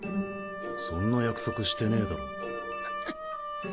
そんな約束してねえだろ。